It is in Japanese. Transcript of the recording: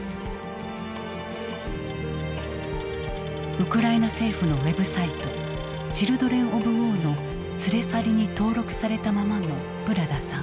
ウクライナ政府のウェブサイト「ＣＨＩＬＤＲＥＮＯＦＷＡＲ」の「連れ去り」に登録されたままのブラダさん。